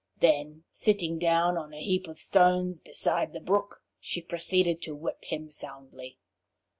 Then, sitting down on a heap of stones beside the brook, she proceeded to whip him soundly.